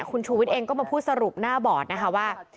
คุณชูวิทย์เองก็มาพูดสรุปหน้าบอร์ดนะคะว่า